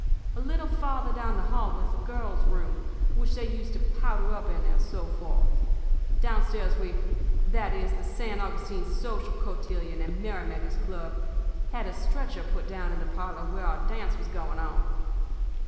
A little farther down the hall was the girls' room, which they used to powder up in, and so forth. Downstairs we that is, the San Augustine Social Cotillion and Merrymakers' Club had a stretcher put down in the parlor where our dance was going on.